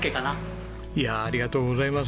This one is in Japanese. いやあありがとうございます。